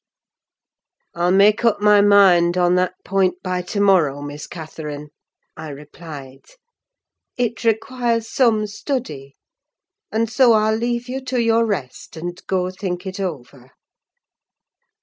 "I'll make up my mind on that point by to morrow, Miss Catherine," I replied. "It requires some study; and so I'll leave you to your rest, and go think it over."